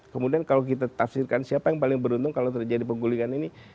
kemudian kalau kita tafsirkan siapa yang paling beruntung kalau terjadi penggulingan ini